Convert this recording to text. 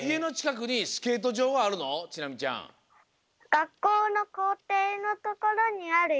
がっこうのこうていのところにあるよ！